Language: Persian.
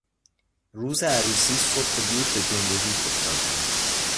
روز عروسی صبح زود به جنب و جوش افتادند.